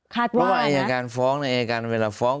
เพราะว่าอายการฟ้องในอายการเวลาฟ้อง